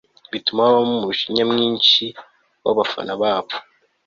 bituma habaho umujinya mwinshi wabafana babo